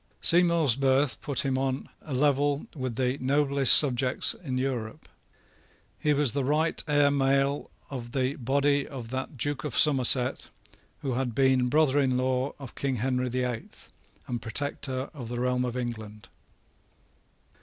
Seymour's birth put him on a level with the noblest subjects in Europe. He was the right heir male of the body of that Duke of Somerset who had been brother in law of King Henry the Eighth, and Protector of the realm of England.